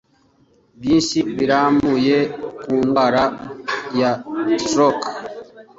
Byinshi birambuye kundwara ya stroke